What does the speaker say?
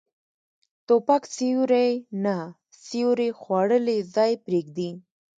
توپک سیوری نه، سیوری خوړلی ځای پرېږدي.